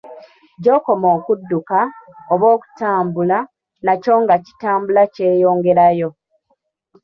Gy'okoma okudduka, oba okutambula, nakyo nga kitambula kyeyongerayo.